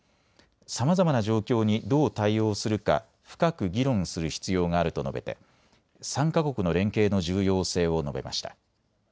さまざまな状況にどう対応するか深く議論する必要があると述べて３か国の連携の重要性を述べました。